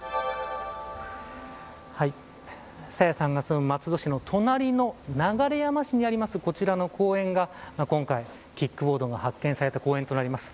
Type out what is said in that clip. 朝芽さんが住む松戸市の隣の流山市にあるこちらの公園が今回、キックボードが発見された公園となります。